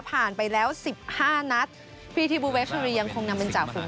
ผ่านไปแล้ว๑๕นัดพี่ที่บูเวฟทุรียังคงนำเป็นจ่าฟุ้ง